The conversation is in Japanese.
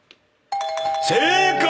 正解！